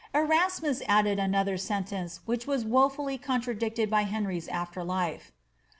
Eliasmus added another sentence which was wofully contradicted by Henry^s after4ife.